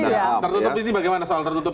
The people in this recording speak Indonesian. nah terututup ini bagaimana soal tertutup ini